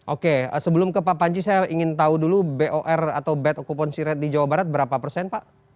oke sebelum ke pak panci saya ingin tahu dulu bor atau bad occupancy rate di jawa barat berapa persen pak